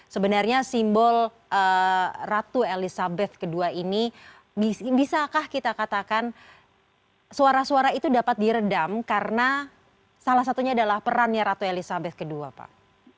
sebenarnya simbol ratu elizabeth ii ini bisakah kita katakan suara suara itu dapat diredam karena salah satunya adalah perannya ratu elizabeth ii pak